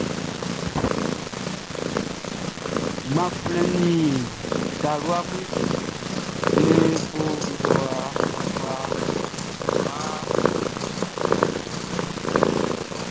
Klɔʼn su gbanflɛn nin talua mun be bo balɔn nnɔsua kwlaa.